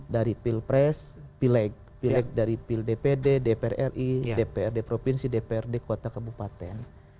dari pilpres pileg pilek dari pil dpd dpr ri dprd provinsi dprd kota kebupaten